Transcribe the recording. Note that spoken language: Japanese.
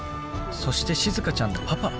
そしてしずかちゃんのパパ？